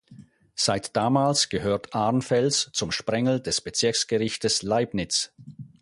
Seit damals gehört Arnfels zum Sprengel des Bezirksgerichtes Leibnitz.